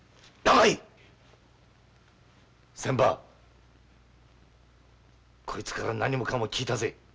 こいつから何もかも聞いたぜ。